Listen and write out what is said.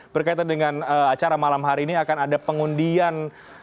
berkaitan dengan acara malam hari ini akan ada pengundian